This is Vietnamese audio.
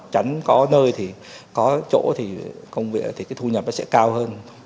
chẳng có nơi thì có chỗ thì công việc thì cái thu nhập nó sẽ cao hơn